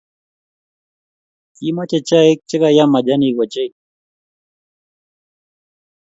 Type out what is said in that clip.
Kimache chaik che kayam majanik ochei